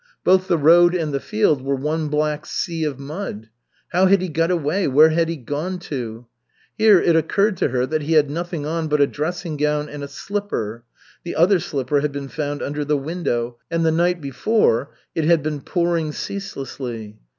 Both the road and the field were one black sea of mud. How had he got away? Where had he gone to? Here it occurred to her that he had nothing on but a dressing gown and a slipper. The other slipper had been found under the window. And the night before it had been pouring ceaselessly.